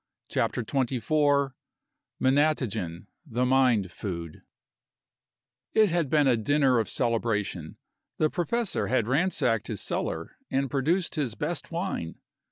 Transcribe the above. CHAPTER XXIV MENATOGEN, THE MIND FOOD It had been a dinner of celebration. The professor had ransacked his cellar and produced his best wine.